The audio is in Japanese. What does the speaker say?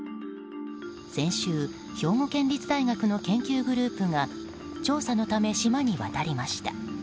先週、兵庫県立大学の研究グループが調査のため島に渡りました。